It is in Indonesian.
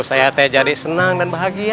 saya teh jadi senang dan bahagia